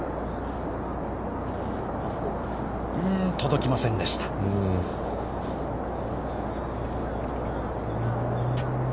届きませんでした。